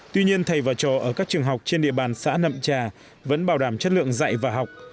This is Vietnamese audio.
tuy nhiên thầy và trò ở các trường học trên địa bàn xã nậm trà vẫn bảo đảm chất lượng dạy và học